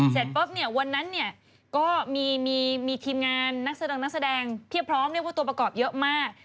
เสร็จปุ๊บวันนั้นก็มีทีมงานนักแสดงพี่พร้อมตัวประกอบเยอะมาก